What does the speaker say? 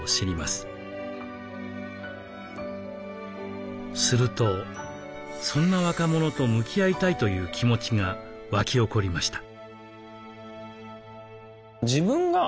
するとそんな若者と向き合いたいという気持ちが湧き起こりました。